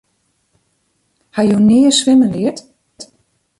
Ha jo nea swimmen leard?